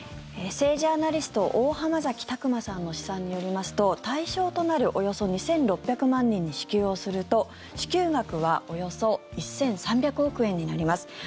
政治アナリスト大濱崎卓真さんの試算によりますと対象となるおよそ２６００万人に支給をすると支給額はおよそ１３００億円になります。